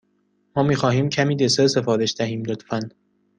ما می خواهیم کمی دسر سفارش دهیم، لطفا.